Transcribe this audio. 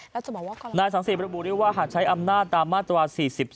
นายสังสีประบูรีว่าหากใช้อำนาจตามมาตรวจ๔๔